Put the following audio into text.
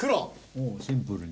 おおシンプルに。